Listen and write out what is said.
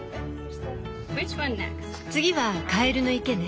次はカエルの池ね。